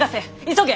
急げ！